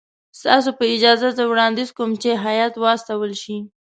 ستاسو په اجازه زه وړاندیز کوم چې هیات واستول شي.